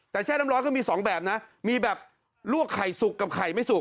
แต่แช่น้ำร้อนก็มีสองแบบนะมีแบบลวกไข่สุกกับไข่ไม่สุก